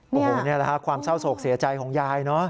วันนี้แหละค่ะความเช่าตกเสียใจของยายนะ